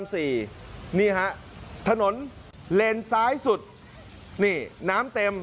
นี่แล้วฮะถนนเลนสายสุดเนี่ยน้ำเต็ม